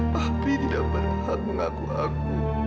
tapi tidak berhak mengaku aku